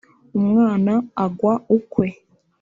umwana agwa ukwe